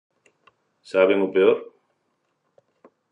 ¿Saben o peor?